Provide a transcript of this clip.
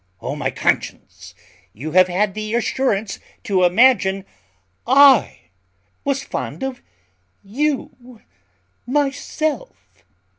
O' my conscience, you have had the assurance to imagine I was fond of you myself."